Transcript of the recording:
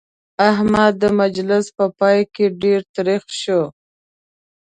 احمد د مجلس په پای کې ډېر تريخ شو.